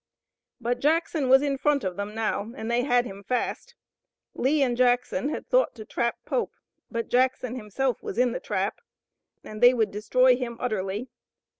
But Jackson was in front of them now, and they had him fast. Lee and Jackson had thought to trap Pope, but Jackson himself was in the trap, and they would destroy him utterly.